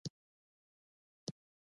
ياره لس منه خو يې دا سږ کال ټول کړي.